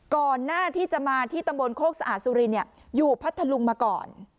ก่อนหน้าที่จะมาที่ตำบลโคกสะอาดสุรินอยู่พัทธลุงมาก่อน